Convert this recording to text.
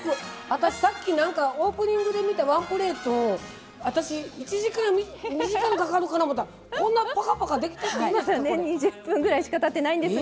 私、さっきオープニングで見たワンプレート私、１時間２時間かかるかな思ったらこんな、ぱかぱかできていいんですか？